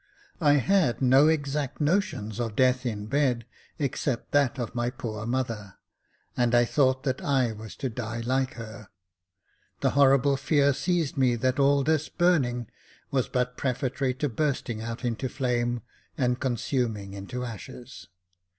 I had no exact notions of death in bed, except that of my poor mother, and I thought that I was to die like her ; the horrible fear seized me that all this burning was but prefatory to burst ing out into flame and consuming into ashes.